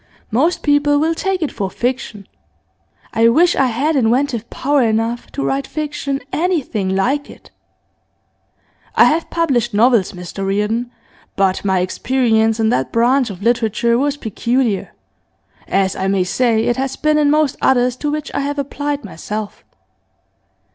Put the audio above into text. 'Most people will take it for fiction. I wish I had inventive power enough to write fiction anything like it. I have published novels, Mr Reardon, but my experience in that branch of literature was peculiar as I may say it has been in most others to which I have applied myself.